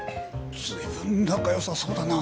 随分仲良さそうだな。